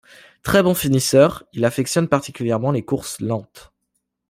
Très bon finisseur, il affectionne particulièrement les courses lentes.